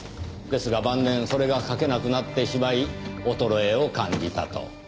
ですが晩年それが描けなくなってしまい衰えを感じたと。